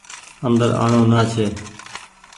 اندر آڻو نآ ڇي۔